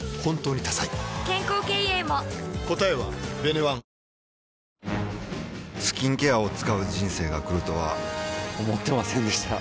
ピンポーンスキンケアを使う人生が来るとは思ってませんでした